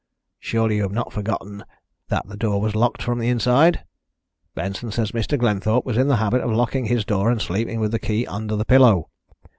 "Surely you have not forgotten that the door was locked from inside? Benson says Mr. Glenthorpe was in the habit of locking his door and sleeping with the key under the pillow.